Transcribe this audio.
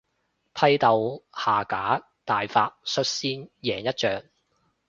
批鬥下架大法率先贏一仗